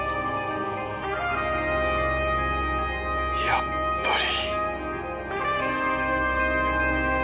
やっぱり。